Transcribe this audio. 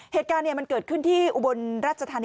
เหตุการณ์มันเกิดขึ้นที่อุบลราชธานี